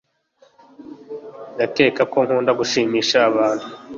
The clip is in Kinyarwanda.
ndakeka ko nkunda gushimisha abantu